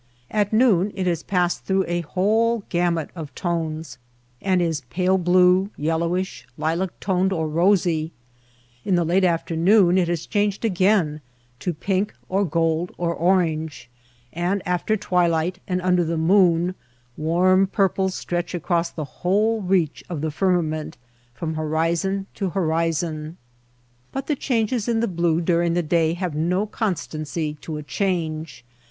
At noon it has passed through a whole gamut of tones and is pale blue, yel lowish, lilac toned, or rosy ; in the late after noon it has changed again to pink or gold or orange ; and after twilight and under the moon, warm purples stretch across the whole reach of the firmament from horizon to horizon. But the changes in the blue during the day have no constancy to a change.